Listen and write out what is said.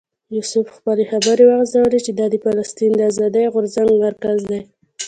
یوسف خپلې خبرې وغځولې چې دا د فلسطین د آزادۍ غورځنګ مرکز دی.